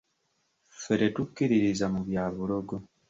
Ffe tetukkiririza mu bya bulogo.